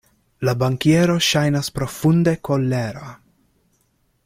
La bankiero ŝajnas profunde kolera.